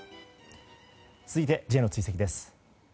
続いてＪの追跡です。